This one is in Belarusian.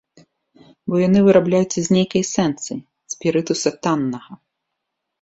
Бо яны вырабляюцца з нейкай эсэнцыі, спірытуса таннага.